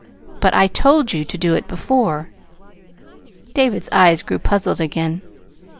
"But I told you to do it before." David's eyes grew puzzled again.